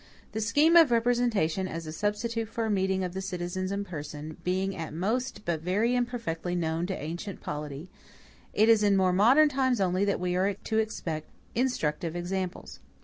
The scheme of representation, as a substitute for a meeting of the citizens in person, being at most but very imperfectly known to ancient polity, it is in more modern times only that we are to expect instructive examples.